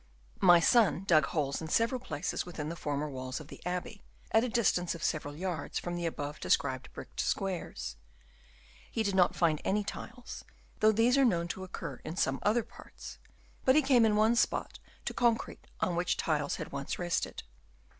My son dug holes in several places within the former walls of the abbey, at a distance of several yards from the above described bricked squares. He did not find any tiles, though these are known to occur in some other parts, but he came in one spot to con crete on which tiles had once rested.